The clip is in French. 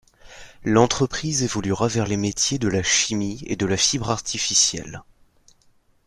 L'entreprise évoluera vers les métiers de la chimie et de la fibre artificielle.